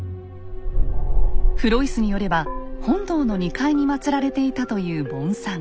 フロイスによれば本堂の２階にまつられていたという盆山。